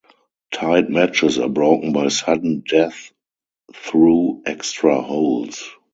Tied matches are broken by sudden death through extra holes.